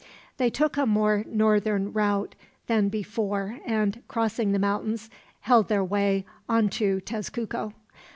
They took a more northern route than before and, crossing the mountains, held their way on to Tezcuco.